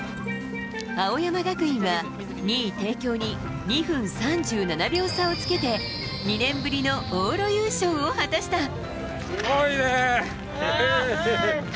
青山学院は、２位帝京に２分３７秒差をつけて２年ぶりの往路優勝を果たした。